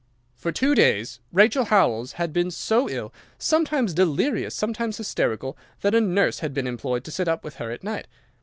"'For two days Rachel Howells had been so ill, sometimes delirious, sometimes hysterical, that a nurse had been employed to sit up with her at night.